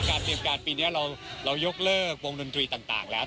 เตรียมการปีนี้เรายกเลิกวงดนตรีต่างแล้ว